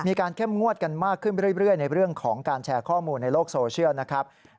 เข้มงวดกันมากขึ้นไปเรื่อยในเรื่องของการแชร์ข้อมูลในโลกโซเชียลนะครับ